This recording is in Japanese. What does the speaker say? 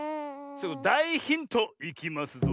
だいヒントいきますぞ。